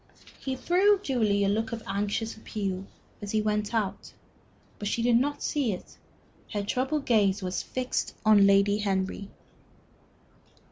He threw Julie a look of anxious appeal as he went out. But she did not see it; her troubled gaze was fixed on Lady Henry.